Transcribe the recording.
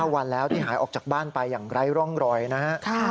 วันแล้วที่หายออกจากบ้านไปอย่างไร้ร่องรอยนะฮะ